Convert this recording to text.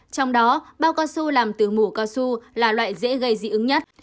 trong đó bao cao su làm từ mù cao su là loại dễ gây dị ứng nhất